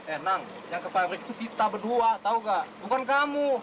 eh nang yang ke pabrik itu kita berdua tahu nggak bukan kamu